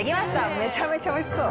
めちゃめちゃおいしそう。